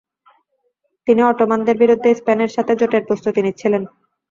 তিনি অটোমানদের বিরুদ্ধে স্পেনের সাথে জোটের প্রস্তুতি নিচ্ছিলেন।